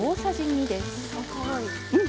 うん。